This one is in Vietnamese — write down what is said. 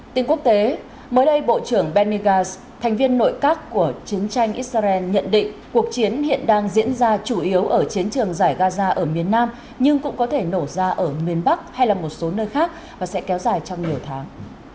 tin quốc tế mới đây bộ trưởng benny gass thành viên nội các của chiến tranh israel nhận định cuộc chiến hiện đang diễn ra chủ yếu ở chiến trường giải gaza ở miền nam nhưng cũng có thể nổ ra ở miền bắc hay là một số nơi khác và sẽ kéo dài trong nhiều tháng